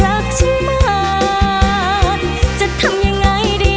อยากแต่งานกับเธออยากแต่งานกับเธอ